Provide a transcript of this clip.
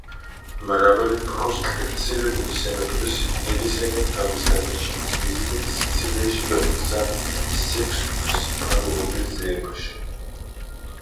მრავალი პროსკრიფცირებული სენატორი სიკვდილისაგან თავის გადარჩენის მიზნით სიცილიაში გაიქცა სექსტუსის მფარველობის ძიებაში.